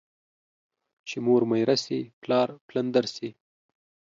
چي مور ميره سي ، پلار پلندر سي.